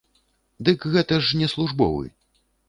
Дык гэта ж не службовы!